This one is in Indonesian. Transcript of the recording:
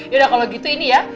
yaudah kalau gitu ini ya